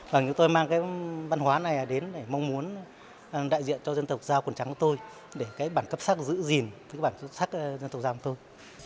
và chúng tôi mang cái văn hóa này đến để mong muốn đại diện cho dân tộc giao quần trắng của tôi để cái bản cấp sắc giữ gìn cái bản sắc dân tộc giao của tôi